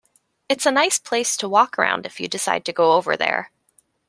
It's a nice place to walk around if you decide to go over there.